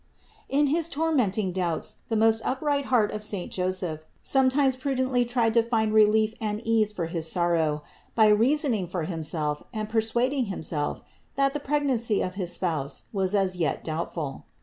388. In his tormenting doubts the most upright heart of saint Joseph sometimes prudently tried to find relief and ease for his sorrow by reasoning for himself and per suading himself that the pregnancy of his Spouse was as yet doubtful.